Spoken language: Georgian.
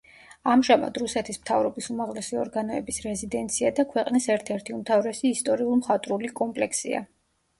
ამჟამად რუსეთის მთავრობის უმაღლესი ორგანოების რეზიდენცია და ქვეყნის ერთ-ერთი უმთავრესი ისტორიულ-მხატვრული კომპლექსია.